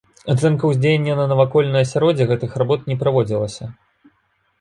Ацэнка ўздзеяння на навакольнае асяроддзе гэтых работ не праводзілася.